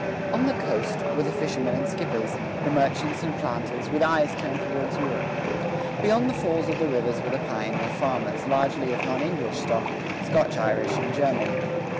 On the coast, were the fishermen and skippers, the merchants and planters, with eyes turned toward Europe. Beyond the falls of the rivers were the pioneer farmers, largely of non English stock, Scotch Irish and German.